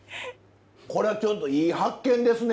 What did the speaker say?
これはちょっといい発見ですね。